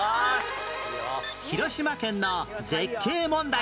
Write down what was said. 広島県の絶景問題